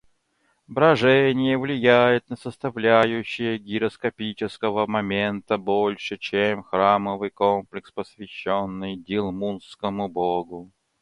Брожение влияет на составляющие гироскопического момента больше, чем храмовый комплекс, посвященный дилмунскому богу